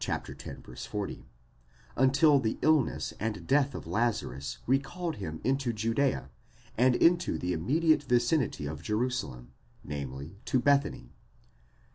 40) until the illness and death of Lazarus recalled him into Judea, and into the immediate vicinity of Jerusalem, namely, to Bethany (xi.